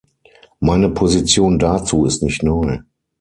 Meine Position dazu ist nicht neu.